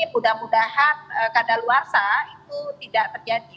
mudah mudahan kedaluarsa itu tidak terjadi